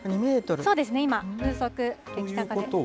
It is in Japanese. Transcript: そうですね、今風速、北風。